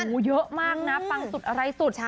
โอ้โหเยอะมากนะปังสุดอะไรสุด